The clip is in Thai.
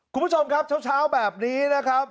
คุณผู้ชมครับเช้าแบบนี้นะครับ